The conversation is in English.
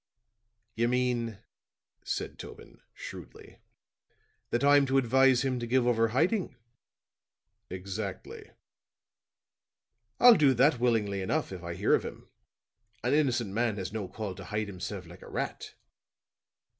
"You mean," said Tobin, shrewdly, "that I'm to advise him to give over hiding?" "Exactly." "I'll do that willingly enough, if I hear of him. An innocent man has no call to hide himself like a rat.